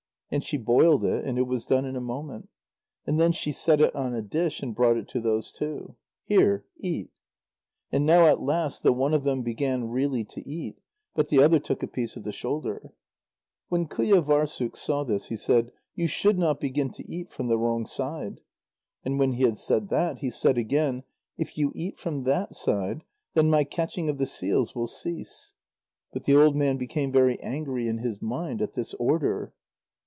And she boiled it, and it was done in a moment. And then she set it on a dish and brought it to those two. "Here, eat." And now at last the one of them began really to eat, but the other took a piece of the shoulder. When Qujâvârssuk saw this, he said: "You should not begin to eat from the wrong side." And when he had said that, he said again: "If you eat from that side, then my catching of the seals will cease." But the old man became very angry in his mind at this order.